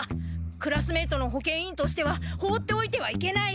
クラスメートの保健委員としては放っておいてはいけない！